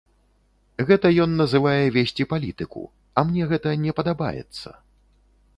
Гэта ён называе весці палітыку, а мне гэта не падабаецца.